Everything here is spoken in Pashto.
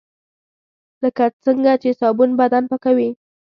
لکه څنګه چې صابون بدن پاکوي .